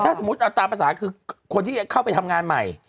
แต่ถ้าตามภาษาคือคนที่เค้าไปทำงานใหม่